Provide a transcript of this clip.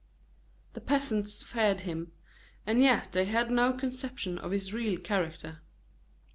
The peasants feared him, and yet they had no conception of his real character.